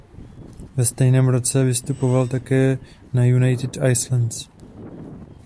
Ve stejném roce vystupoval také na United Islands.